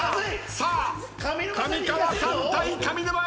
さあ上川さん対上沼恵美子。